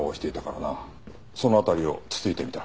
その辺りをつついてみた。